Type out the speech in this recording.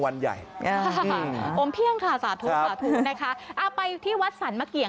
ขอให้น้องทั้งสองคนโชคดี